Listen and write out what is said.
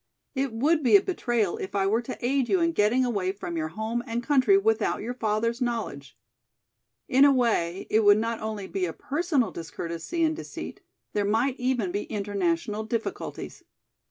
It would be a betrayal if I were to aid you in getting away from your home and country without your father's knowledge. In a way it would not only be a personal discourtesy and deceit, there might even be international difficulties.